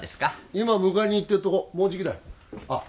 今迎えに行ってるとこもうじきだよあっ